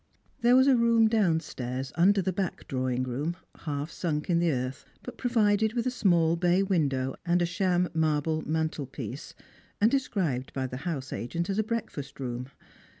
There was a room downstairs, under the back drawing room, half sunk in the earth, but provided with a small bay window and a sham marble mantelpiece, and described by the house agent as a breakfast room.